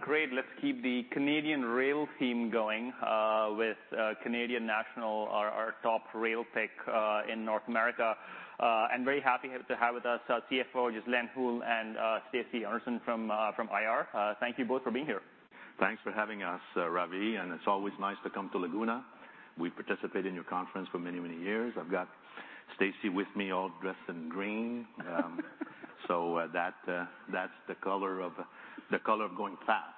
Great. Let's keep the Canadian rail team going, with Canadian National, our, our top rail pick, in North America. I'm very happy here to have with us CFO, Ghislain Houle, and Stacy Alderson from, from IR. Thank you both for being here. Thanks for having us, Ravi, and it's always nice to come to Laguna. We've participated in your conference for many, many years. I've got Stacy with me, all dressed in green. So, that's the color of going fast.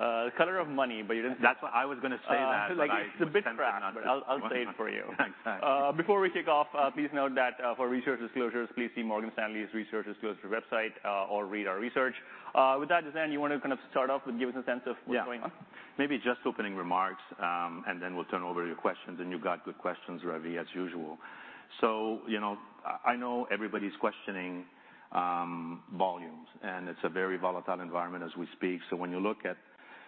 The color of money, but you didn't. That's what I was gonna say that. It's a bit crass. Chose not to. But I'll say it for you. Thanks. Thanks. Before we kick off, please note that for research disclosures, please see Morgan Stanley's research disclosure website, or read our research. With that, Ghislain, you want to kind of start off and give us a sense of what's going on? Yeah. Maybe just opening remarks, and then we'll turn over to your questions, and you've got good questions, Ravi, as usual. So you know, I know everybody's questioning volumes, and it's a very volatile environment as we speak. So when you look at,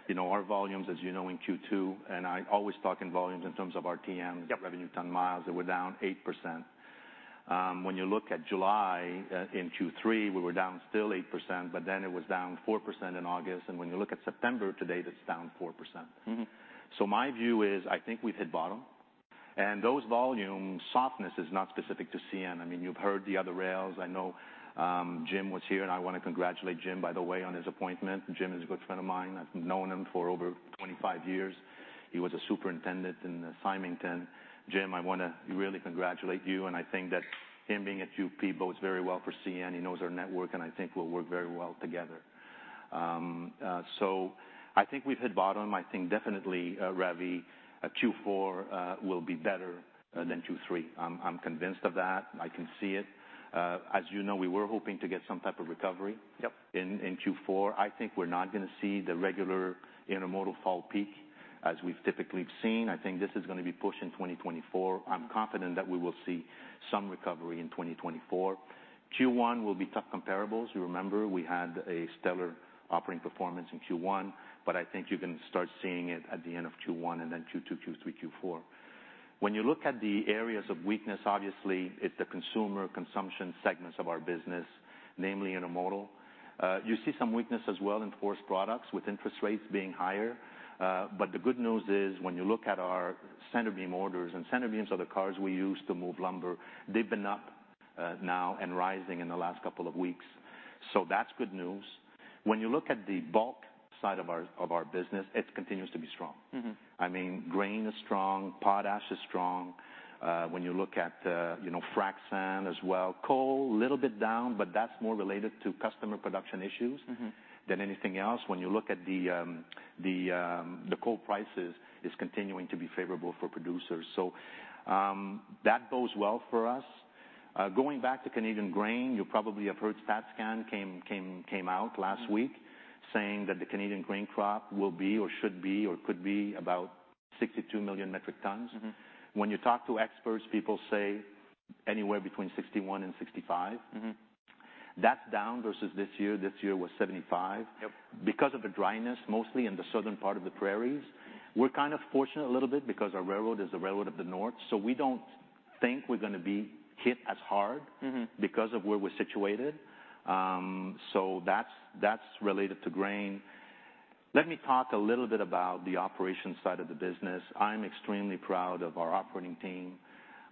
you know, our volumes, as you know, in Q2, and I always talk in volumes in terms of RTM Revenue Ton Miles. They were down 8%. When you look at July in Q3, we were down still 8%, but then it was down 4% in August, and when you look at September, today, that's down 4%. So my view is, I think we've hit bottom, and those volume softness is not specific to CN. I mean, you've heard the other rails. I know, Jim was here, and I want to congratulate Jim, by the way, on his appointment. Jim is a good friend of mine. I've known him for over 25 years. He was a superintendent in Symington. Jim, I wanna really congratulate you, and I think that him being at UP bodes very well for CN. He knows our network, and I think we'll work very well together. So I think we've hit bottom. I think definitely, Ravi, Q4 will be better than Q3. I'm convinced of that. I can see it. As you know, we were hoping to get some type of recovery in Q4. I think we're not gonna see the regular intermodal fall peak, as we've typically seen. I think this is gonna be pushed in 2024. I'm confident that we will see some recovery in 2024. Q1 will be tough comparables. You remember, we had a stellar operating performance in Q1, but I think you're gonna start seeing it at the end of Q1, and then Q2, Q3, Q4. When you look at the areas of weakness, obviously, it's the consumer consumption segments of our business, namely intermodal. You see some weakness as well in forest products, with interest rates being higher. But the good news is, when you look at our centerbeam orders, and centerbeams are the cars we use to move lumber, they've been up, now and rising in the last couple of weeks. So that's good news. When you look at the bulk side of our business, it continues to be strong. I mean, grain is strong. Potash is strong. When you look at, you know, frac sand as well, coal, little bit down, but that's more related to customer production issues than anything else. When you look at the coal prices, it's continuing to be favorable for producers. So, that bodes well for us. Going back to Canadian grain, you probably have heard StatCan came out last week, saying that the Canadian grain crop will be or should be or could be about 62 million metric tons. When you talk to experts, people say anywhere between 61 and 65. That's down versus this year. This year was 75. Yep. Because of the dryness, mostly in the southern part of the prairies. We're kind of fortunate a little bit because our railroad is the railroad of the north, so we don't think we're gonna be hit as hard because of where we're situated. So that's, that's related to grain. Let me talk a little bit about the operations side of the business. I'm extremely proud of our operating team.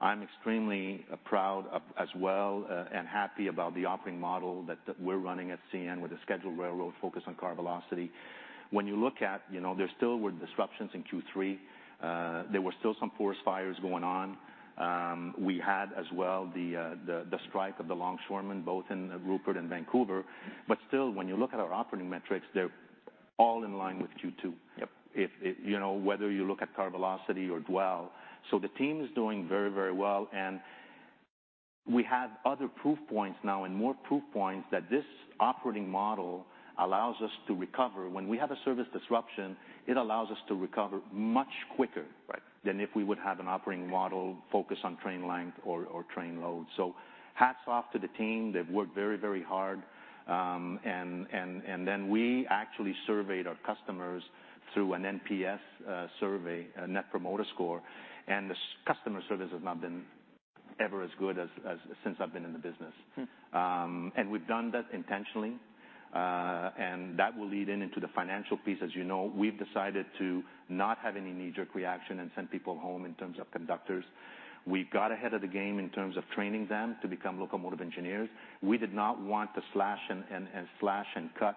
I'm extremely proud of as well, and happy about the operating model that we're running at CN with the scheduled railroad focused on car velocity. When you look at, you know, there still were disruptions in Q3. There were still some forest fires going on. We had as well, the strike of the longshoremen, both in Rupert and Vancouver. But still, when you look at our operating metrics, they're all in line with Q2. Yep. If you know, whether you look at car velocity or dwell. So the team is doing very, very well, and we have other proof points now and more proof points that this operating model allows us to recover. When we have a service disruption, it allows us to recover much quicker than if we would have an operating model focused on train length or train load. So hats off to the team. They've worked very, very hard. And then we actually surveyed our customers through an NPS survey, a Net Promoter Score, and the customer service has not been ever as good as since I've been in the business. We've done that intentionally, and that will lead into the financial piece. As you know, we've decided to not have any knee-jerk reaction and send people home in terms of conductors. We've got ahead of the game in terms of training them to become locomotive engineers. We did not want to slash and cut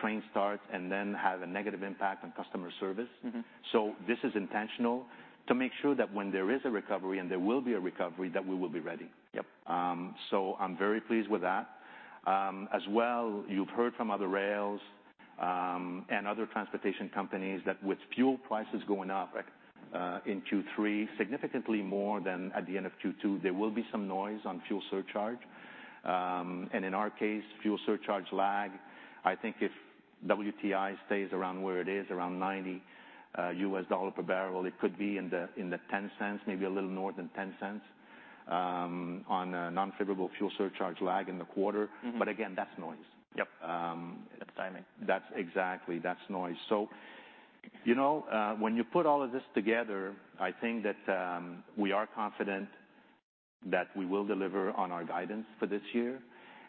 train starts and then have a negative impact on customer service. This is intentional, to make sure that when there is a recovery, and there will be a recovery, that we will be ready. Yep. So I'm very pleased with that. As well, you've heard from other rails and other transportation companies, that with fuel prices going up in Q3, significantly more than at the end of Q2, there will be some noise on fuel surcharge. In our case, fuel surcharge lag, I think if WTI stays around where it is, around $90 per barrel, it could be in the, in the $0.10, maybe a little more than $0.10, on a non-favorable fuel surcharge lag in the quarter. But again, that's noise. Yep. That's timing. That's exactly, that's noise. So, you know, when you put all of this together, I think that, we are confident that we will deliver on our guidance for this year,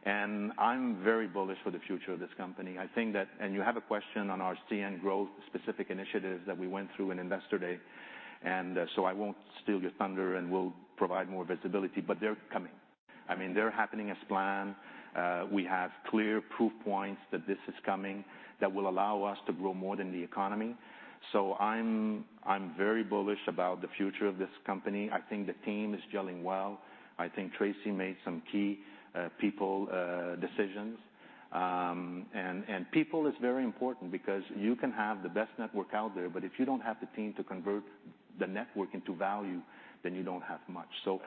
and I'm very bullish for the future of this company. And you have a question on our CN growth-specific initiatives that we went through in Investor Day, and so I won't steal your thunder, and we'll provide more visibility, but they're coming. I mean, they're happening as planned. We have clear proof points that this is coming, that will allow us to grow more than the economy. So I'm, I'm very bullish about the future of this company. I think the team is gelling well. I think Tracy made some key people decisions. And people is very important because you can have the best network out there, but if you don't have the team to convert the network into value, then you don't have much. So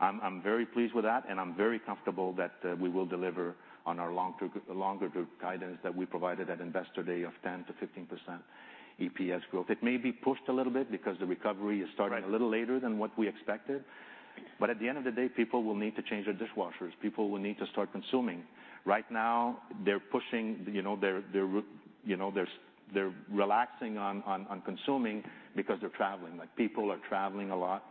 I'm very pleased with that, and I'm very comfortable that we will deliver on our longer-term guidance that we provided at Investor Day of 10%-15% EPS growth. It may be pushed a little bit because the recovery is starting. Right A little later than what we expected. But at the end of the day, people will need to change their dishwashers. People will need to start consuming. Right now, they're pushing, you know, they're relaxing on consuming because they're traveling. Like, people are traveling a lot,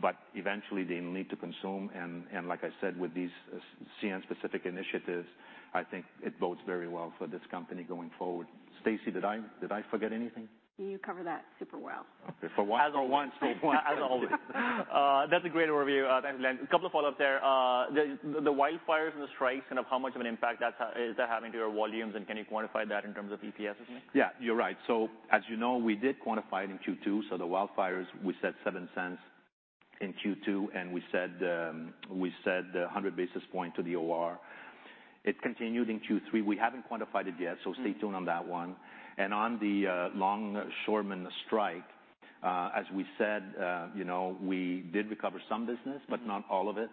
but eventually, they need to consume, and like I said, with these CN-specific initiatives, I think it bodes very well for this company going forward. Stacy, did I forget anything? You covered that super well. Okay, for once. As always. That's a great overview. Thanks, Ghislain. A couple of follow-ups there. The wildfires and the strikes, kind of how much of an impact that's is that having to your volumes, and can you quantify that in terms of EPS or something? Yeah, you're right. So as you know, we did quantify it in Q2, so the wildfires, we said $0.07 in Q2, and we said 100 basis points to the OR. It continued in Q3. We haven't quantified it yet, so stay tuned on that one. And on the longshoremen strike, as we said, you know, we did recover some business, but not all of it.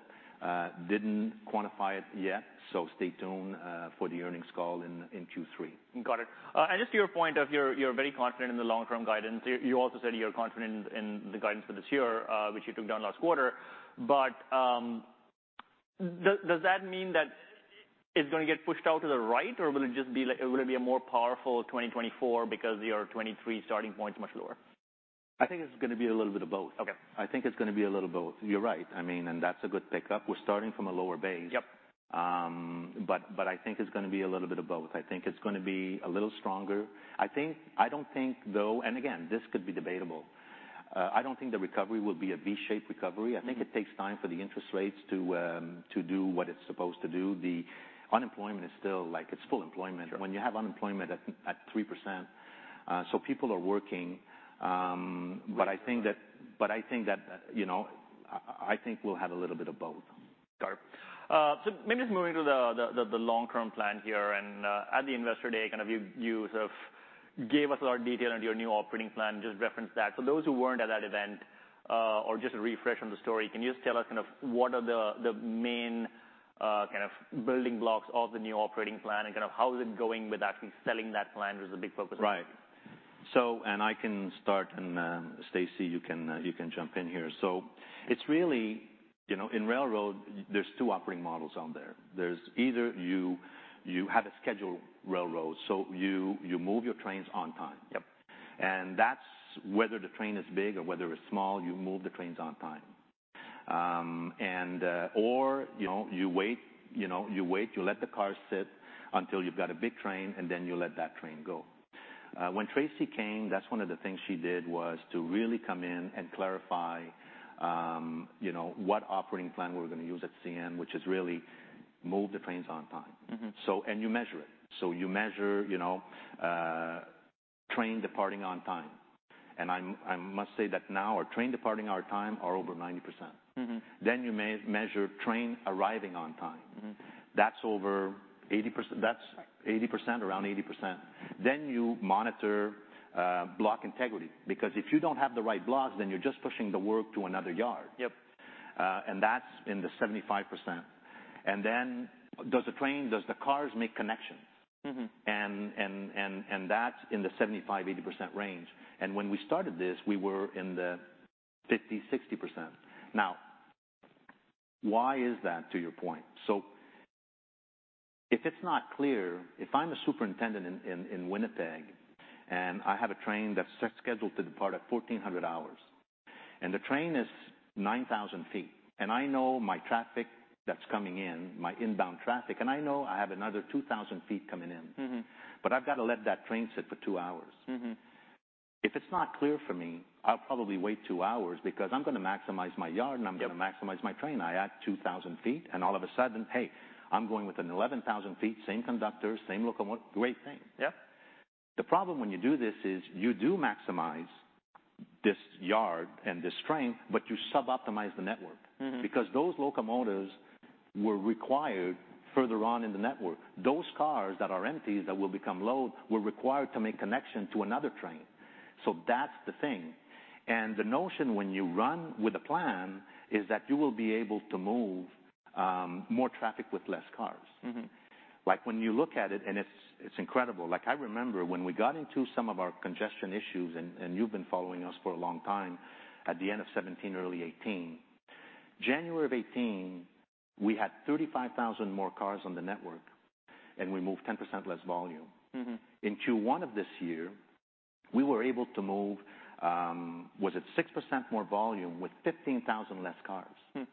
Didn't quantify it yet, so stay tuned for the earnings call in Q3. Got it. And just to your point, you're very confident in the long-term guidance. You also said you're confident in the guidance for this year, which you took down last quarter. But does that mean that it's gonna get pushed out to the right, or will it just be like, will it be a more powerful 2024 because your 2023 starting point is much lower? I think it's gonna be a little bit of both. Okay. I think it's gonna be a little of both. You're right. I mean, and that's a good pickup. We're starting from a lower base. Yep. But, I think it's gonna be a little bit of both. I think it's gonna be a little stronger. I don't think, though, and again, this could be debatable, I don't think the recovery will be a V-shaped recovery I think it takes time for the interest rates to do what it's supposed to do. The unemployment is still, like, it's full employment. Right. When you have unemployment at 3%, so people are working but I think that, you know, I think we'll have a little bit of both. Got it. So maybe just moving to the long-term plan here, and at the Investor Day, kind of you sort of gave us a lot of detail on your new operating plan, just referenced that. For those who weren't at that event, or just a refresh on the story, can you just tell us kind of what are the main, kind of building blocks of the new operating plan, and kind of how is it going with actually selling that plan was a big focus? Right. So I can start, and then Stacy, you can jump in here. So it's really, you know, in railroad, there's two operating models on there. There's either you have a scheduled railroad, so you move your trains on time. Yep. That's whether the train is big or whether it's small, you move the trains on time. Or, you know, you wait, you know, you wait, you let the car sit until you've got a big train, and then you let that train go. When Tracy came, that's one of the things she did, was to really come in and clarify, you know, what operating plan we're gonna use at CN, which is really move the trains on time. So, you measure it. You measure, you know, train departing on time, and I must say that now our train departing on time are over 90%. Then you measure train arriving on time. That's over 80%. That's 80%, around 80%. Then you monitor Block Integrity, because if you don't have the right blocks, then you're just pushing the work to another yard. Yep. That's in the 75%. And then, does the cars make connections? That's in the 75%-80% range. When we started this, we were in the 50%-60%. Now, why is that, to your point? So if it's not clear, if I'm a superintendent in Winnipeg, and I have a train that's scheduled to depart at 2:00 P.M., and the train is 9,000 feet, and I know my traffic that's coming in, my inbound traffic, and I know I have another 2,000 feet coming in but I've got to let that train sit for two hours. If it's not clear for me, I'll probably wait two hours because I'm gonna maximize my yard, and I'm gonna maximize my train. I add 2,000 ft, and all of a sudden, hey, I'm going with an 11,000 ft, same conductor, same locomotive, great thing. Yep. The problem when you do this is you do maximize this yard and this train, but you suboptimize the network. Because those locomotives were required further on in the network. Those cars that are empties, that will become load, were required to make connection to another train. So that's the thing. And the notion when you run with a plan is that you will be able to move more traffic with less cars. Like, when you look at it, and it's, it's incredible. Like, I remember when we got into some of our congestion issues, and, and you've been following us for a long time, at the end of 2017, early 2018. January of 2018, we had 35,000 more cars on the network, and we moved 10% less volume. In Q1 of this year, we were able to move, was it 6% more volume with 15,000 less cars?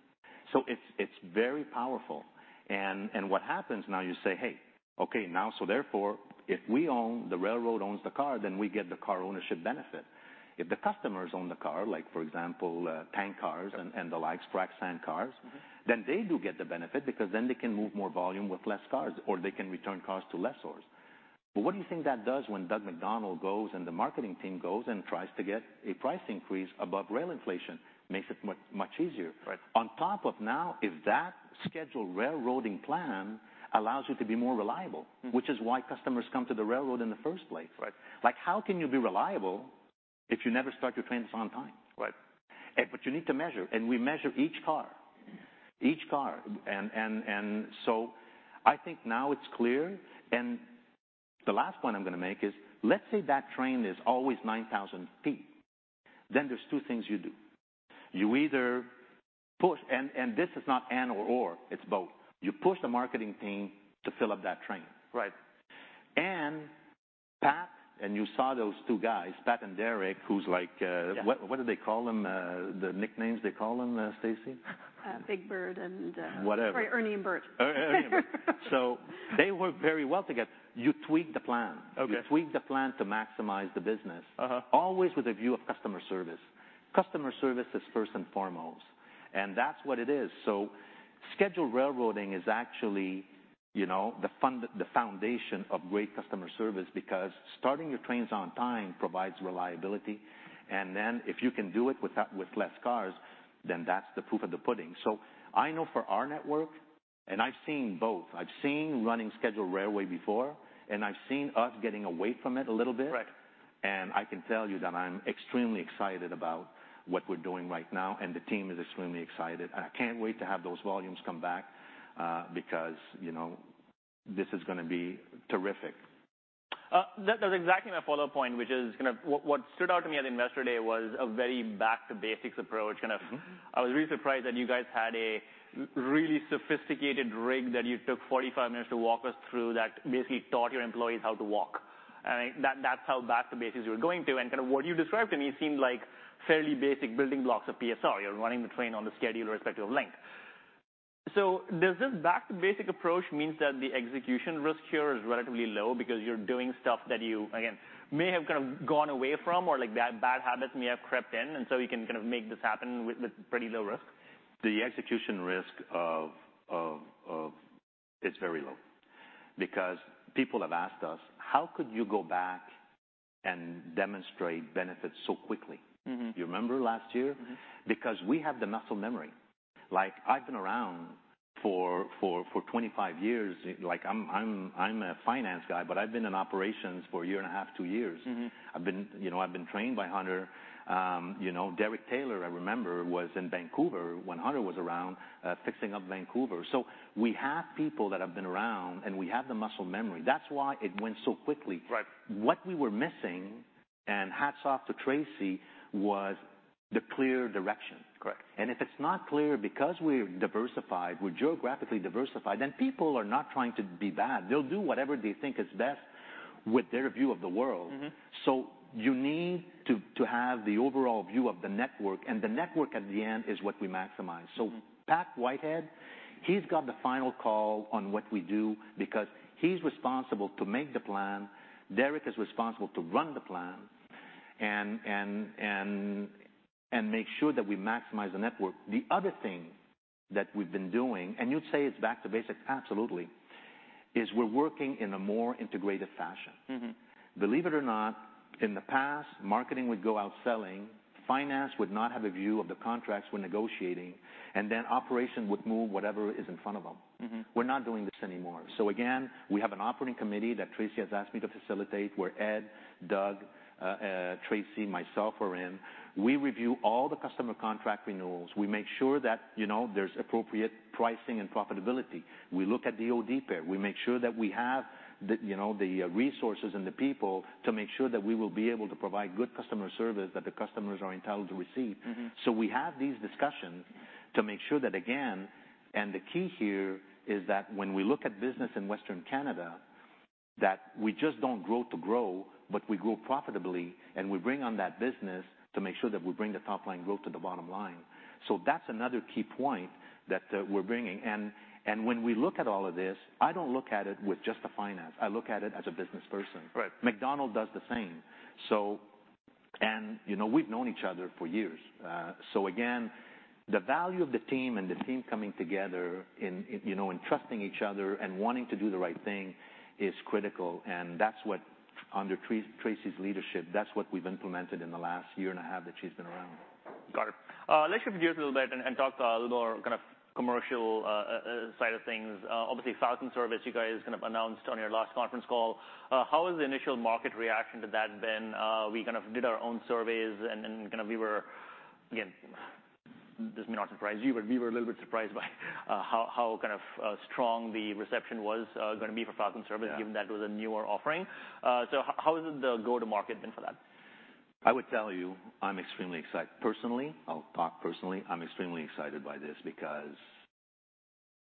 It's very powerful. What happens now, you say, "Hey, okay, now, so therefore, if the railroad owns the car, then we get the car ownership benefit." If the customers own the car, like for example, tank cars. Right. and the like, frac sand cars, then they do get the benefit because then they can move more volume with less cars, or they can return cars to lessors. But what do you think that does when Doug MacDonald goes, and the marketing team goes and tries to get a price increase above rail inflation? Makes it much, much easier. Right. On top of now, if that scheduled railroading plan allows you to be more reliable which is why customers come to the railroad in the first place. Right. Like, how can you be reliable if you never start your trains on time? Right. But you need to measure, and we measure each car. Each car. So I think now it's clear. The last point I'm going to make is, let's say that train is always 9,000 ft. Then there's two things you do. You either push... This is not and/or, it's both. You push the marketing team to fill up that train. Right. Pat, and you saw those two guys, Pat and Derek, who's like, Yeah. What, what did they call them? The nicknames they call them, Stacy? Big Bird and Whatever. Sorry, Ernie and Bert. Ernie and Bert. So they work very well together. You tweak the plan. Okay. You tweak the plan to maximize the business. Always with a view of customer service. Customer service is first and foremost, and that's what it is. So scheduled railroading is actually, you know, the foundation of great customer service, because starting your trains on time provides reliability, and then if you can do it with less cars, then that's the proof of the pudding. So I know for our network, and I've seen both. I've seen running scheduled railroading before, and I've seen us getting away from it a little bit. Right. I can tell you that I'm extremely excited about what we're doing right now, and the team is extremely excited. I can't wait to have those volumes come back, because, you know, this is gonna be terrific. That's exactly my follow-up point, which is kind of what stood out to me at Investor Day: a very back-to-basics approach. Kind of, I was really surprised that you guys had a really sophisticated rig that you took 45 minutes to walk us through, that basically taught your employees how to walk. And that, that's how back to basics you were going to. And kind of what you described to me seemed like fairly basic building blocks of PSR. You're running the train on the schedule with respect to length. So does this back to basic approach means that the execution risk here is relatively low because you're doing stuff that you, again, may have kind of gone away from, or like, bad, bad habits may have crept in, and so you can kind of make this happen with, with pretty low risk? The execution risk. It's very low. Because people have asked us: How could you go back and demonstrate benefits so quickly? You remember last year? Because we have the muscle memory. Like, I've been around for 25 years. Like, I'm a finance guy, but I've been in operations for a year and a half, two years. I've been, you know, I've been trained by Hunter. You know, Derek Taylor, I remember, was in Vancouver when Hunter was around, fixing up Vancouver. So we have people that have been around, and we have the muscle memory. That's why it went so quickly. Right. What we were missing, and hats off to Tracy, was the clear direction. Correct. If it's not clear, because we're diversified, we're geographically diversified, then people are not trying to be bad. They'll do whatever they think is best with their view of the world. You need to have the overall view of the network, and the network at the end is what we maximize. So Pat Whitehead, he's got the final call on what we do because he's responsible to make the plan. Derek is responsible to run the plan and make sure that we maximize the network. The other thing that we've been doing, and you'd say it's back to basics, absolutely, is we're working in a more integrated fashion. Believe it or not, in the past, marketing would go out selling, finance would not have a view of the contracts we're negotiating, and then operation would move whatever is in front of them. We're not doing this anymore. So again, we have an operating committee that Tracy has asked me to facilitate, where Ed, Doug, Tracy, myself are in. We review all the customer contract renewals. We make sure that, you know, there's appropriate pricing and profitability. We look at the OD pair. We make sure that we have the, you know, the resources and the people to make sure that we will be able to provide good customer service that the customers are entitled to receive. So we have these discussions to make sure that, again, and the key here is that when we look at business in Western Canada, that we just don't grow to grow, but we grow profitably, and we bring on that business to make sure that we bring the top-line growth to the bottom line. So that's another key point that we're bringing. And when we look at all of this, I don't look at it with just the finance. I look at it as a business person. Right. MacDonald does the same. So... And, you know, we've known each other for years. So again, the value of the team and the team coming together in, you know, and trusting each other and wanting to do the right thing is critical, and that's what, under Tracy's leadership, that's what we've implemented in the last year and a half that she's been around. Got it. Let's shift gears a little bit and talk a little more kind of commercial side of things. Obviously, Falcon service, you guys kind of announced on your last conference call. How has the initial market reaction to that been? We kind of did our own surveys and kind of we were, again, this may not surprise you, but we were a little bit surprised by how kind of strong the reception was gonna be for Falcon service. Yeah Given that it was a newer offering. So how, how has the go-to-market been for that? I would tell you, I'm extremely excited. Personally, I'll talk personally, I'm extremely excited by this because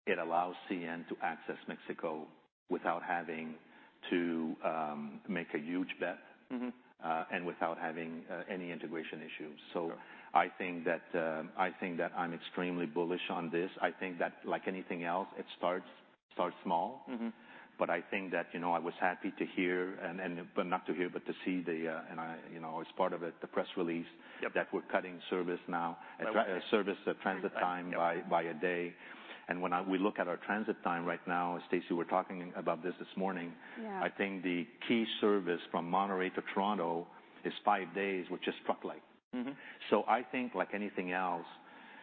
it allows CN to access Mexico without having to make a huge bet and without having any integration issues. Sure. So I think that I think that I'm extremely bullish on this. I think that, like anything else, it starts small. I think that, you know, I was happy to hear, and but not to hear, but to see the - and I, you know, as part of it, the press release that we're cutting service now. Okay. Service, the transit time by a day. And when we look at our transit time right now, Stacy, we're talking about this morning. Yeah. I think the key service from Monterrey to Toronto is five days, which is truck-like. So I think, like anything else,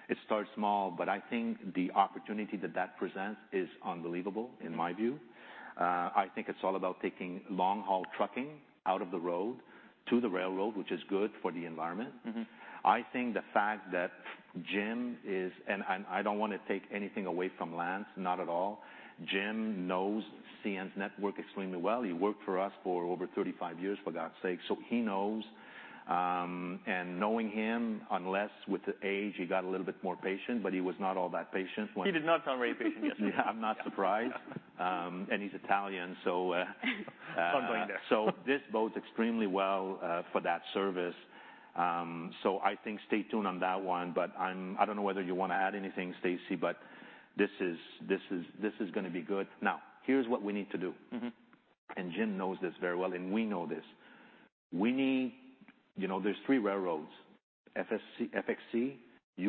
it starts small, but I think the opportunity that that presents is unbelievable, in my view. I think it's all about taking long-haul trucking out of the road to the railroad, which is good for the environment. I think the fact that Jim is—and I don't want to take anything away from Lance, not at all. Jim knows CN's network extremely well. He worked for us for over 35 years, for God's sake, so he knows. Knowing him, unless with the age, he got a little bit more patient, but he was not all that patient when. He did not sound very patient yesterday. I'm not surprised. And he's Italian, so, I'm going there. So this bodes extremely well for that service. So I think stay tuned on that one, but I'm—I don't know whether you want to add anything, Stacy, but this is gonna be good. Now, here's what we need to do. Jim knows this very well, and we know this. We need... You know, there's three railroads, FXE,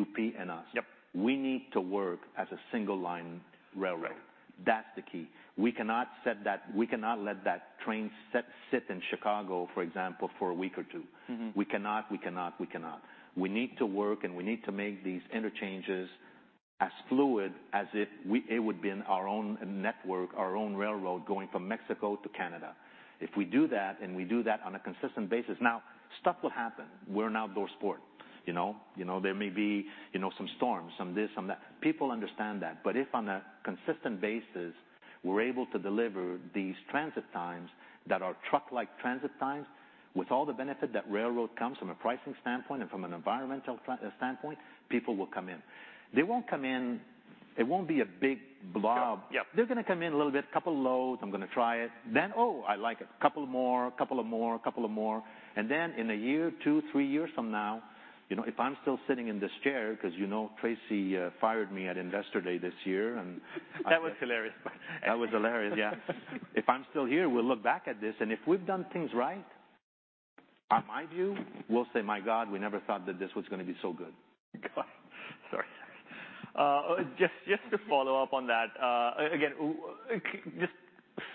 UP, and us. Yep. We need to work as a single line railroad. Right. That's the key. We cannot let that train sit in Chicago, for example, for a week or two. We cannot, we cannot, we cannot. We need to work, and we need to make these interchanges as fluid as if we--it would be in our own network, our own railroad, going from Mexico to Canada. If we do that, and we do that on a consistent basis--now, stuff will happen. We're an outdoor sport, you know? You know, there may be, you know, some storms, some this, some that. People understand that, but if on a consistent basis, we're able to deliver these transit times that are truck-like transit times, with all the benefit that railroad comes from a pricing standpoint and from an environmental tran- standpoint, people will come in. They won't come in... It won't be a big blob. Yep, yep. They're gonna come in a little bit, couple loads. I'm gonna try it, then, "Oh, I like it." A couple more, a couple of more, a couple of more, and then in a year, two, three years from now, you know, if I'm still sitting in this chair, 'cause you know, Tracy fired me at Investor Day this year, and. That was hilarious. That was hilarious, yeah. If I'm still here, we'll look back at this, and if we've done things right, on my view, we'll say, "My God, we never thought that this was gonna be so good. Sorry. Just, just to follow up on that, again, just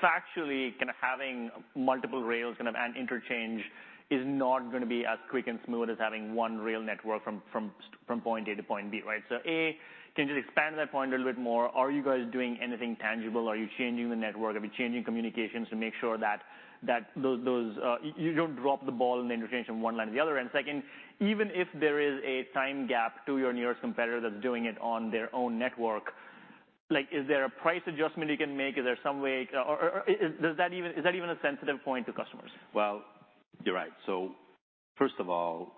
factually, kind of having multiple rails kind of at interchange is not gonna be as quick and smooth as having one rail network from point A to point B, right? So, A, can you just expand that point a little bit more? Are you guys doing anything tangible? Are you changing the network? Are you changing communications to make sure that you don't drop the ball in the interchange from one line to the other? And second, even if there is a time gap to your nearest competitor that's doing it on their own network, like, is there a price adjustment you can make? Is there some way or is that even a sensitive point to customers? Well, you're right. So first of all,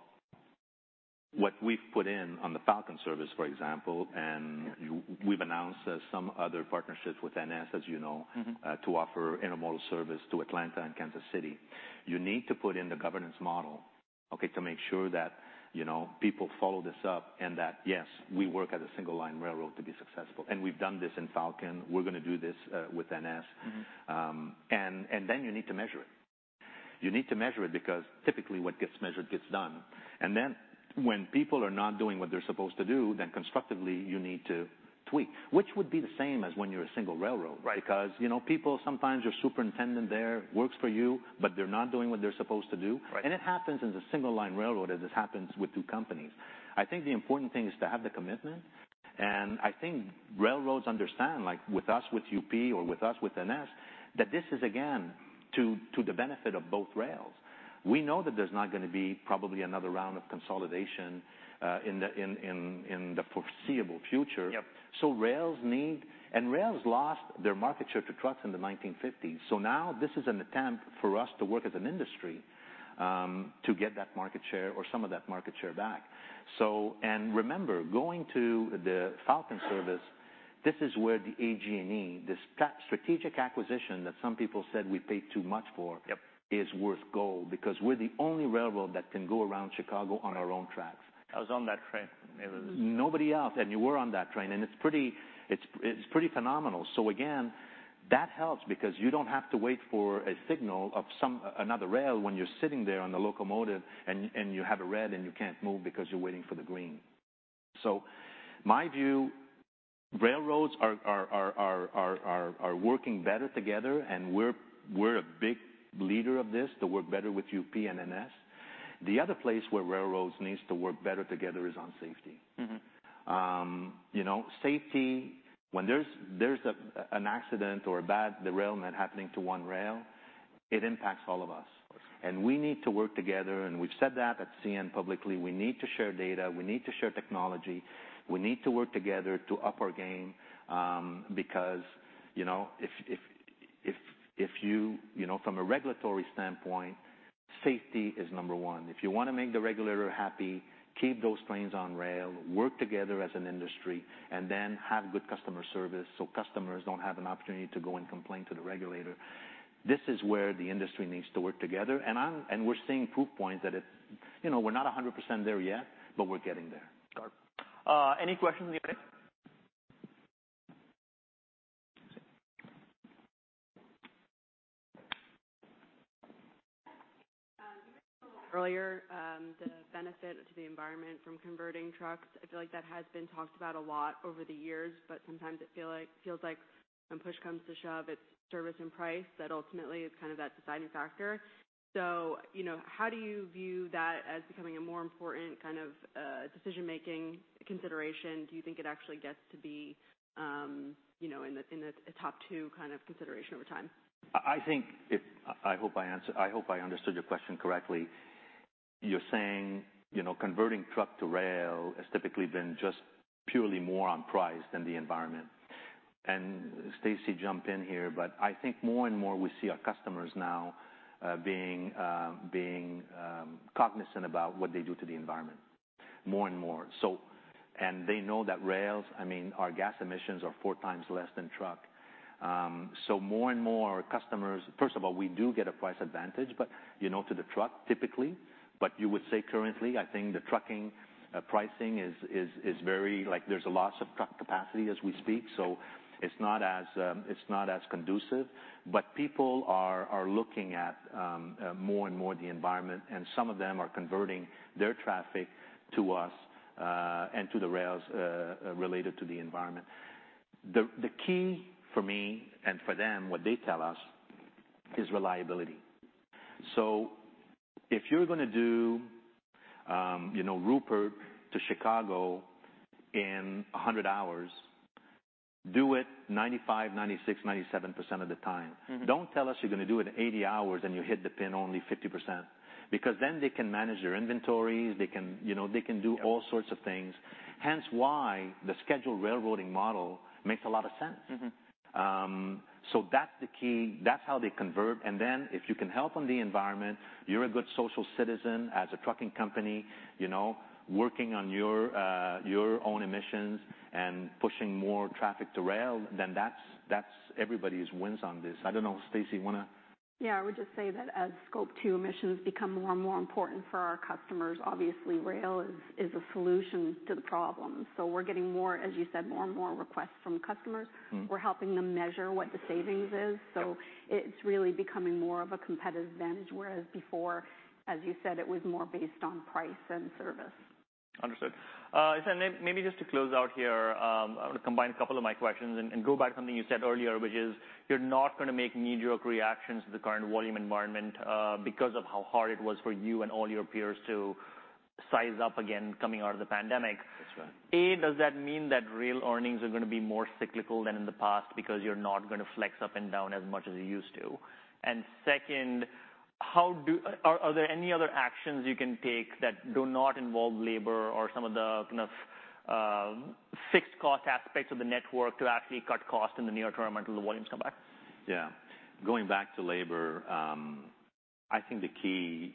what we've put in on the Falcon service, for example, and we've announced some other partnerships with NS, as you know to offer intermodal service to Atlanta and Kansas City. You need to put in the governance model, okay, to make sure that, you know, people follow this up, and that, yes, we work as a single line railroad to be successful. And we've done this in Falcon. We're gonna do this, with NS. And then you need to measure it. You need to measure it because typically what gets measured gets done. And then when people are not doing what they're supposed to do, constructively you need to tweak, which would be the same as when you're a single railroad. Right. Because, you know, people, sometimes your superintendent there works for you, but they're not doing what they're supposed to do. Right. It happens in the single line railroad, as it happens with two companies. I think the important thing is to have the commitment, and I think railroads understand, like with us, with UP or with us, with NS, that this is again to the benefit of both rails. We know that there's not gonna be probably another round of consolidation in the foreseeable future. Yep. Rails lost their market share to trucks in the 1950s. So now this is an attempt for us to work as an industry, to get that market share or some of that market share back. So, and remember, going to the Falcon service, this is where the EJ&E, the strategic acquisition that some people said we paid too much for. Yep Is worth gold, because we're the only railroad that can go around Chicago on our own tracks. I was on that train. Nobody else, and you were on that train, and it's pretty phenomenal. So again, that helps because you don't have to wait for a signal from some other rail when you're sitting there on the locomotive and you have a red, and you can't move because you're waiting for the green. So my view, railroads are working better together, and we're a big leader of this, to work better with UP and NS. The other place where railroads needs to work better together is on safety. You know, safety, when there's an accident or a bad derailment happening to one rail, it impacts all of us. Of course. We need to work together, and we've said that at CN publicly. We need to share data, we need to share technology. We need to work together to up our game, because, you know, if you know, from a regulatory standpoint, safety is number one. If you want to make the regulator happy, keep those trains on rail, work together as an industry, and then have good customer service so customers don't have an opportunity to go and complain to the regulator. This is where the industry needs to work together, and we're seeing proof points that it, you know, we're not 100% there yet, but we're getting there. Got it. Any questions? Earlier, the benefit to the environment from converting trucks, I feel like that has been talked about a lot over the years, but sometimes it feels like when push comes to shove, it's service and price that ultimately is kind of that deciding factor. So, you know, how do you view that as becoming a more important kind of decision-making consideration? Do you think it actually gets to be, you know, in the top two kind of consideration over time? I think I hope I understood your question correctly. You're saying, you know, converting truck to rail has typically been just purely more on price than the environment. And Stacy, jump in here, but I think more and more we see our customers now being cognizant about what they do to the environment more and more. So, and they know that rails, I mean, our gas emissions are four times less than truck. So more and more customers—First of all, we do get a price advantage, but, you know, to the truck typically. But you would say currently, I think the trucking pricing is very, like, there's a loss of truck capacity as we speak, so it's not as, it's not as conducive. People are looking at more and more the environment, and some of them are converting their traffic to us and to the rails related to the environment. The key for me and for them, what they tell us, is reliability. If you're going to do you know, Rupert to Chicago in 100 hours, do it 95%-97% of the time. Don't tell us you're going to do it in 80 hours and you hit the pin only 50%, because then they can manage their inventories, they can, you know, they can do all sorts of things. Hence, why the scheduled railroading model makes a lot of sense. So that's the key. That's how they convert. Then, if you can help on the environment, you're a good social citizen as a trucking company, you know, working on your own emissions and pushing more traffic to rail, then that's everybody's wins on this. I don't know, Stacy, you want to. Yeah, I would just say that as Scope Two emissions become more and more important for our customers, obviously, rail is a solution to the problem. So we're getting more, as you said, more and more requests from customers. We're helping them measure what the savings is. Yep. So it's really becoming more of a competitive advantage, whereas before, as you said, it was more based on price than service. Understood. So then maybe just to close out here, I want to combine a couple of my questions and, and go back to something you said earlier, which is you're not going to make knee-jerk reactions to the current volume environment, because of how hard it was for you and all your peers to size up again, coming out of the pandemic. That's right. Does that mean that real earnings are going to be more cyclical than in the past because you're not going to flex up and down as much as you used to? And second, are there any other actions you can take that do not involve labor or some of the kind of fixed cost aspects of the network to actually cut costs in the near term until the volumes come back? Yeah. Going back to labor, I think the key,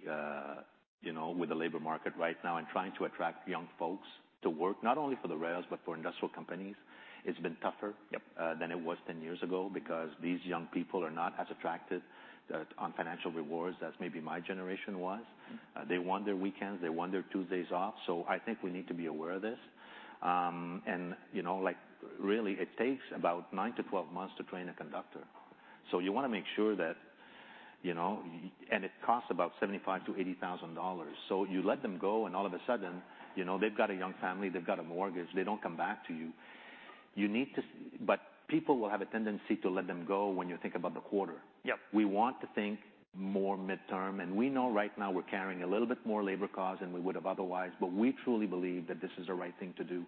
you know, with the labor market right now and trying to attract young folks to work, not only for the rails, but for industrial companies, it's been tougher- Yep. than it was 10 years ago because these young people are not as attracted on financial rewards as maybe my generation was. They want their weekends, they want their Tuesdays off, so I think we need to be aware of this. You know, like, really, it takes about nine to 12 months to train a conductor. So you want to make sure that, you know... It costs about $75,000-$80,000. So you let them go and all of a sudden, you know, they've got a young family, they've got a mortgage, they don't come back to you. You need to. But people will have a tendency to let them go when you think about the quarter. Yep. We want to think more midterm, and we know right now we're carrying a little bit more labor costs than we would have otherwise, but we truly believe that this is the right thing to do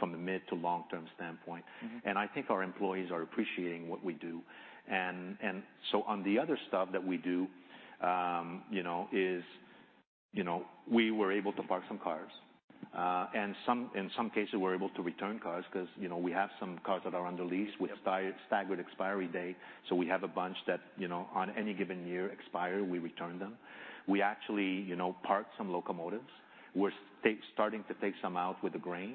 from the mid to long-term standpoint. I think our employees are appreciating what we do. So on the other stuff that we do, you know, we were able to park some cars, and in some cases, we were able to return cars because, you know, we have some cars that are under lease. Yep. We have staggered expiry date, so we have a bunch that, you know, on any given year, expire, we return them. We actually, you know, parked some locomotives. We're starting to take some out with the grain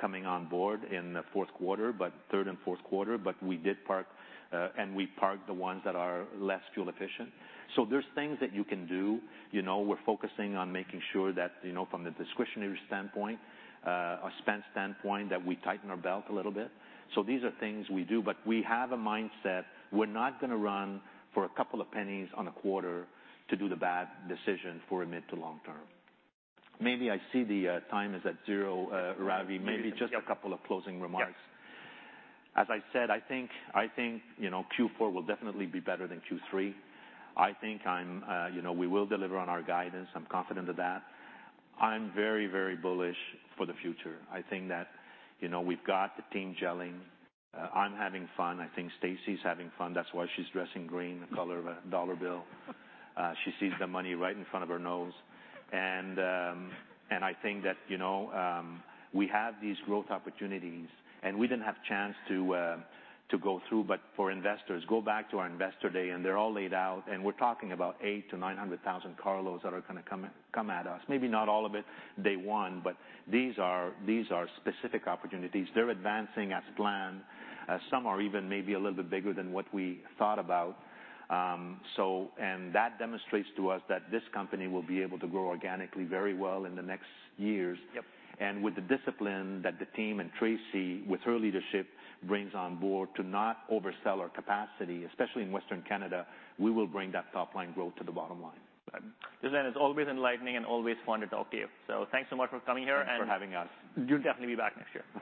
coming on board in the fourth quarter, but third and fourth quarter. But we did park, and we parked the ones that are less fuel efficient. So there's things that you can do. You know, we're focusing on making sure that, you know, from the discretionary standpoint, a spend standpoint, that we tighten our belt a little bit. So these are things we do, but we have a mindset, we're not going to run for a couple of pennies on a quarter to do the bad decision for a mid to long term. Maybe I see the, time is at zero, Ravi. Yep. Maybe just a couple of closing remarks. Yep. As I said, I think, you know, Q4 will definitely be better than Q3. I think I'm, you know, we will deliver on our guidance. I'm confident of that. I'm very, very bullish for the future. I think that, you know, we've got the team gelling. I'm having fun. I think Stacy's having fun, that's why she's dressing green, the color of a dollar bill. She sees the money right in front of her nose. And I think that, you know, we have these growth opportunities, and we didn't have a chance to go through, but for investors, go back to our Investor Day, and they're all laid out, and we're talking about 800,000-900,000 car loads that are going to come at us. Maybe not all of it day one, but these are, these are specific opportunities. They're advancing as planned. Some are even maybe a little bit bigger than what we thought about. So, and that demonstrates to us that this company will be able to grow organically very well in the next years. Yep. With the discipline that the team and Tracy, with her leadership, brings on board to not oversell our capacity, especially in Western Canada, we will bring that top-line growth to the bottom line. Good. Listen, it's always enlightening and always fun to talk to you. So thanks so much for coming here. Thanks for having us. You'll definitely be back next year.